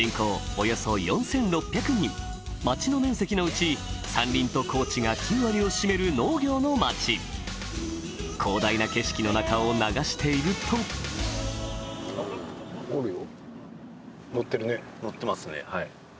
およそ４６００人町の面積のうち山林と耕地が９割を占める農業の町広大な景色の中を流しているとそうなんすよ。